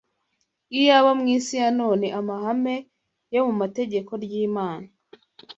Iyaba mu isi ya none amahame yo mu mategeko ry’Imana